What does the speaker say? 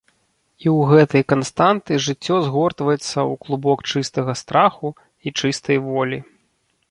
І ў гэтай канстанты жыццё згортваецца ў клубок чыстага страху і чыстай волі.